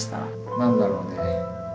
何だろうねえ。